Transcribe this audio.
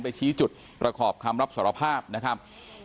ชี้จุดประกอบคำรับสารภาพนะครับ